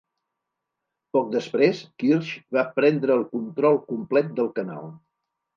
Poc després, Kirch va prendre el control complet del canal.